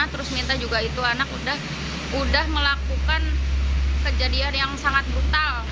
terus minta juga itu anak udah melakukan kejadian yang sangat brutal